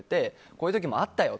こういう時もあったよ